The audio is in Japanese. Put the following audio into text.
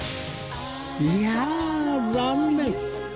いやー残念！